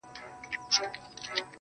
ليلا مجنون.